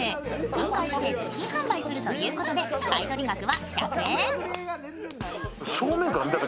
分解して部品販売するということで買取額は１００円。